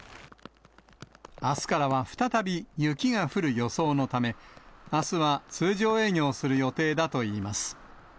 あすからは再び雪が降る予想のため、あすは通常営業する予定だといいます。